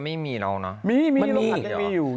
มีมีโรคหัดมันยังมีอยู่